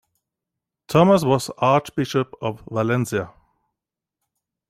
Thomas was Archbishop of Valencia.